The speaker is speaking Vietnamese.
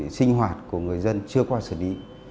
tại vì sinh hoạt của người dân chưa qua xử lý